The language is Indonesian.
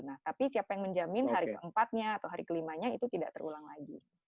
nah tapi siapa yang menjamin hari keempatnya atau hari kelimanya itu tidak terulang lagi